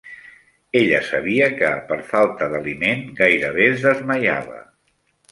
Ella sabia que, per falta d'aliment, gairebé es desmaiava.